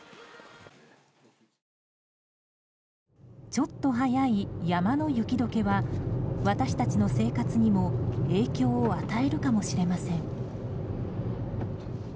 ちょっと早い山の雪解けは私たちの生活にも影響を与えるかもしれません。